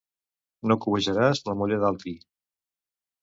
No cobejaràs la muller d'altri.